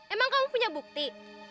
emang kamu punya bukti